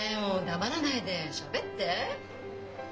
黙らないでしゃべって。